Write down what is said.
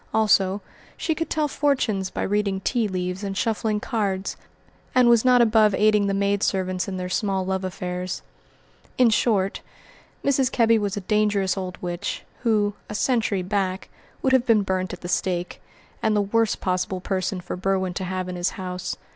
Also, she could tell fortunes by reading tea leaves and shuffling cards, and was not above aiding the maid servants in their small love affairs. In short, Mrs. Kebby was a dangerous old witch, who, a century back, would have been burnt at the stake; and the worst possible person for Berwin to have in his house.